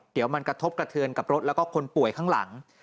เดี๋ยวมันกระทบกระเทือนกับรถแล้วก็คนป่วยข้างหลัง